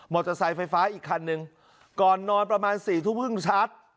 มอเตอร์ไซค์ไฟฟ้าอีกคันนึงก่อนนอนประมาณ๔ทุ่มครึ่งชาร์จ